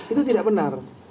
itu tidak benar